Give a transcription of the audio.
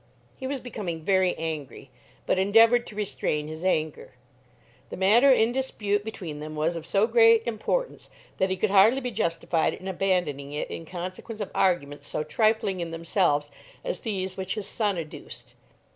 He was becoming very angry, but endeavoured to restrain his anger. The matter in dispute between them was of so great importance, that he could hardly be justified in abandoning it in consequence of arguments so trifling in themselves as these which his son adduced.